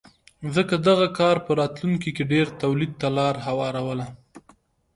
ځکه دغه کار په راتلونکې کې ډېر تولید ته لار هواروله